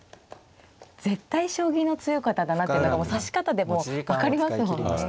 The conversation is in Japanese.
絶対将棋の強い方だなっていうのが指し方でもう分かりますもんね。